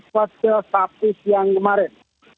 dari kuasa faktis yang kemarin